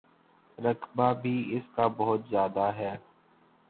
رقبہ بھی اس کا بہت زیادہ ہے۔